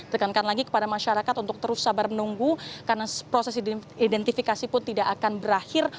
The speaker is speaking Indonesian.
tekankan lagi kepada masyarakat untuk terus sabar menunggu karena proses identifikasi pun tidak akan berakhir